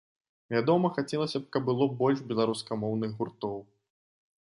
Вядома, хацелася б, каб было больш беларускамоўных гуртоў.